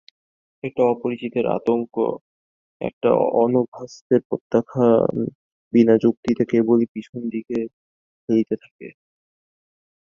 একটা অপরিচিতের আতঙ্ক, একটা অনভ্যস্তের প্রত্যাখ্যান বিনা যুক্তিতে কেবলই পিছনের দিকে ঠেলিতে থাকে।